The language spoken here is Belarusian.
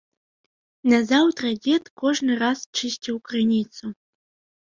Назаўтра дзед кожны раз чысціў крыніцу.